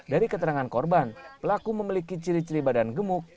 dari keterangan korban pelaku memiliki ciri ciri badan gemuk